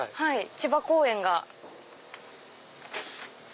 千葉公園。